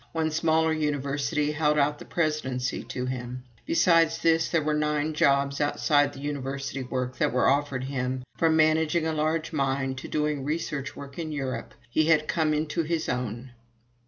One smaller university held out the presidency to him. Besides this, there were nine jobs outside of University work that were offered him, from managing a large mine to doing research work in Europe. He had come into his own.